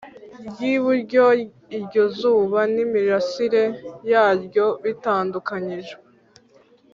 Rw iburyo iryo zuba n imirasire yaryo bitandukanyijwe